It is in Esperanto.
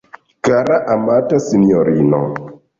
Kara, amata sinjorino!